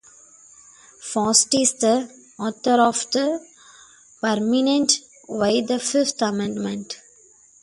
Fast is the author of the prominent Why the Fifth Amendment?